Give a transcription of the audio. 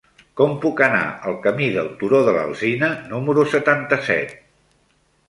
Com puc anar al camí del Turó de l'Alzina número setanta-set?